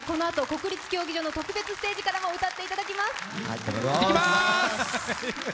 皆さんにはこのあと、国立競技場の特別ステージからも歌っていただきます。